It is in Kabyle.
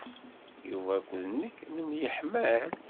Yuba akked nekk nemyeḥmal.